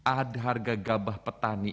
ada harga gabah petang